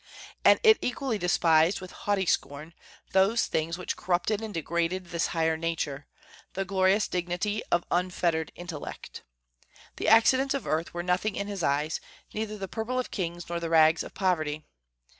And it equally despised, with haughty scorn, those things which corrupted and degraded this higher nature, the glorious dignity of unfettered intellect. The accidents of earth were nothing in his eyes, neither the purple of kings nor the rags of poverty.